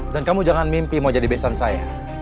dan kamu jangan mimpi mau jadi besan saya